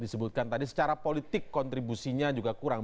disebutkan tadi secara politik kontribusinya juga kurang